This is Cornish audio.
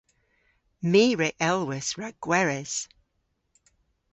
My re elwis rag gweres.